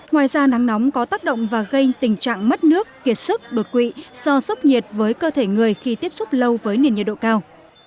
ngoài ra nắng nóng có tác động và gây tình trạng mất nước kiệt sức đột quỵ do sốc nhiệt với cơ thể người khi tiếp xúc lâu với nền nhiệt độ cao